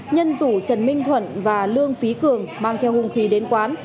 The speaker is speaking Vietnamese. nhân rủ trần minh thuận và lương phí cường mang theo hung khí đến quán